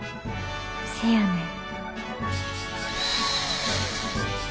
せやねん。